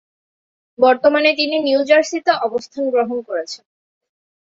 বর্তমানে তিনি নিউ জার্সিতে অবস্থান গ্রহণ করছেন।